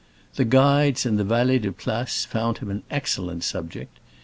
The guides and valets de place found him an excellent subject.